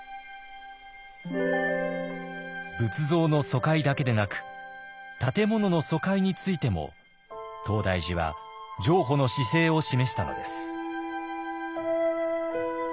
仏像の疎開だけでなく建物の疎開についても東大寺は譲歩の姿勢を示したのです。